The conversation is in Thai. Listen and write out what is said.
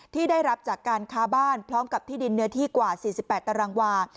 ที่ได้รับจากการค้าบ้านพร้อมกับที่ดินเนื้อที่กว่า๔๘ตารางวา